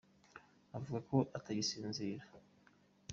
Avuga ko atagisinzira